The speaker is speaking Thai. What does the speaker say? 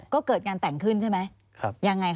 ก็เกิดงานแต่งขึ้นใช่ไหม